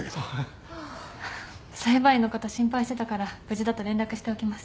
裁判員の方心配してたから無事だと連絡しておきます。